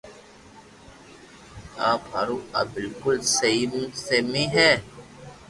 آپ ھارو آ بلڪول سھھي ھي